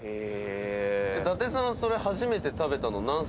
二階堂：伊達さんがそれを初めて食べたのは？